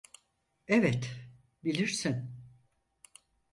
Evet, bilirsin.